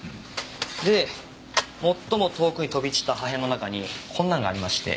で最も遠くに飛び散った破片の中にこんなのがありまして。